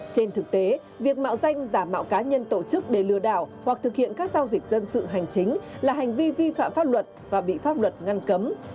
trên thực tế việc mạo danh giả mạo cá nhân tổ chức để lừa đảo hoặc thực hiện các giao dịch dân sự hành chính là hành vi vi phạm pháp luật và bị pháp luật ngăn cấm